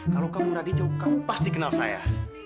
kalau kamu radityo kamu pasti kenal saya